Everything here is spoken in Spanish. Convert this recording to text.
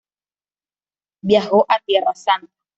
Viajó a Tierra Santa.